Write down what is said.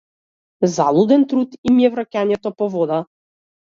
Залуден труд им е враќањето по вода.